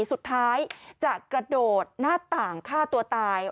สุดท้ายจะกระโดดหน้าต่างฆ่าตัวตาย